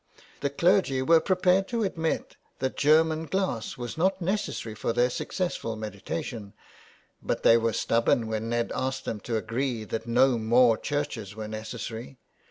The clergy were prepared to admit that German glass was not necessary for their successful mediation, but they were stubborn when Ned asked them to agree that no more churches were necessary.